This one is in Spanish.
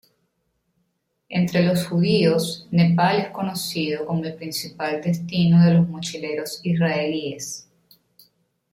Entre los judíos, Nepal es conocido como el principal destino de los mochileros israelíes.